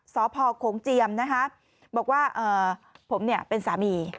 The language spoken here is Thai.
สพโขงเจียมนะคะบอกว่าผมเป็นสามี